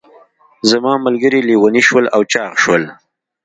زما ملګري لیوني شول او چاغ شول.